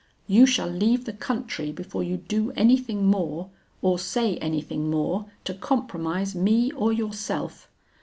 'You shall leave the country before you do anything more, or say anything more, to compromise me or yourself.